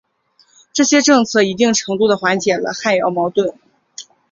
这些政策一定程度的缓解了汉瑶矛盾。